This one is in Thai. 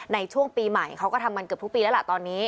ในช่วงปีใหม่เขาก็ทำกันเกือบทุกปีแล้วล่ะตอนนี้